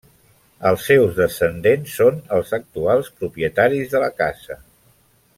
Els seus descendents són els actuals propietaris de la casa.